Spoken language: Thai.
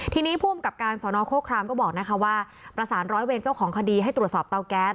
ทีนี้ผู้อำกับการสอนอโคครามก็บอกนะคะว่าประสานร้อยเวรเจ้าของคดีให้ตรวจสอบเตาแก๊ส